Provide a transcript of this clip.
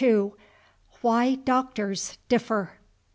WHY DOCTORS DIFFER.